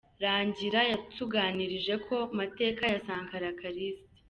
Rangira yatuganirije ku mateka ya Sankara Callixte